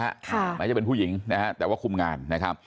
หมายถึงเป็นผู้หญิงแต่ว่าคุมงาน